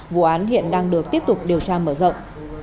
vụ án hiện đang được tiếp tục điều tra mở rộng